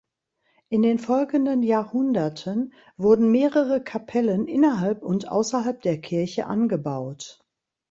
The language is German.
In den folgenden Jahrhunderten wurden mehrere Kapellen innerhalb und außerhalb der Kirche angebaut.